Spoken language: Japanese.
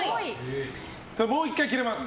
もう１回切れます。